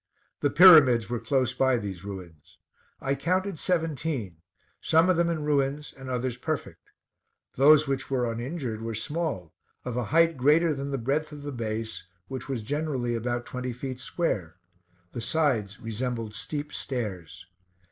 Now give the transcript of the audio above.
The pyramids were close by these ruins. I counted seventeen, some of them in ruins, and others perfect. Those which were uninjured were small, of a height greater than the breadth of the base, which was generally about twenty feet square; the sides resembled steep stairs.